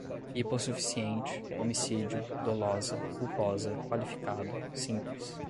hipossuficiente, homicídio, dolosa, culposa, qualificado, simples